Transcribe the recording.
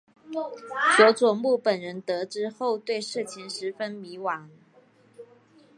佐佐木本人得知后对事情十分迷惘。